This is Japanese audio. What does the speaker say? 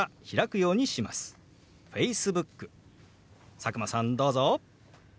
佐久間さんどうぞ。